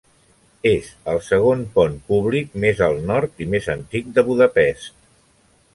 És el segon pont públic més al nord i més antic de Budapest.